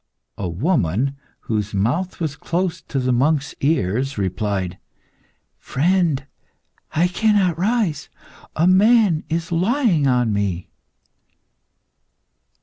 A woman, whose mouth was close to the monk's ear, replied "Friend, I cannot rise; a man is lying on me."